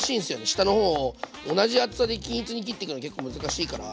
下の方を同じ厚さで均一に切っていくの結構難しいから。